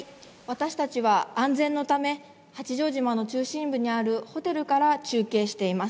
私たちは、安全のため、八丈島の中心部にあるホテルから中継しています。